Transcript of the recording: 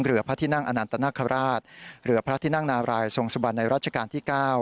พระที่นั่งอนันตนาคาราชเหลือพระที่นั่งนารายทรงสุบันในราชการที่๙